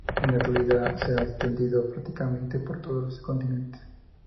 En la actualidad se ha extendido prácticamente por todos los continentes.